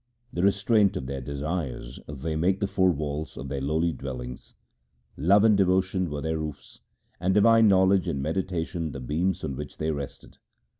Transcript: The restraint of their desires they made the four walls of their lowly dwellings: Love and devotion were their roofs, and divine knowledge and meditation the beams on which they rested.